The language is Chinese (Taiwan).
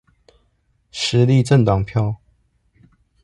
時力政黨票